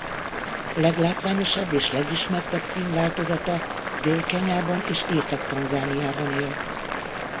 Leglátványosabb és legismertebb színváltozata Dél-Kenyában és Észak-Tanzániában él.